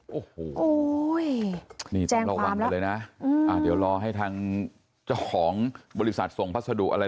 โอ้โหนี่ต้องระวังกันเลยนะเดี๋ยวรอให้ทางเจ้าของบริษัทส่งพัสดุอะไร